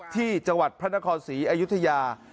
ที่จังหวัดพระนครศรีอยุธยา